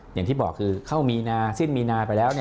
อย่างที่บอกคือเข้ามีนาสิ้นมีนาไปแล้ว